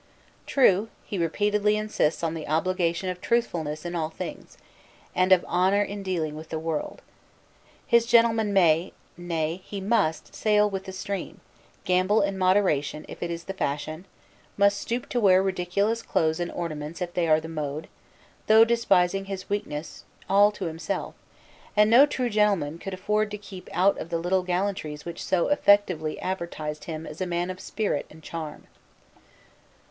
True, he repeatedly insists on the obligation of truthfulness in all things, and of, honor in dealing with the world. His Gentleman may; nay, he must, sail with the stream, gamble in moderation if it is the fashion, must stoop to wear ridiculous clothes and ornaments if they are the mode, though despising his weakness all to himself, and no true Gentleman could afford to keep out of the little gallantries which so effectively advertised him as a man of spirit sad charm.